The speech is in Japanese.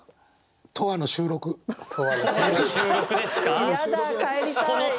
永遠の収録ですか？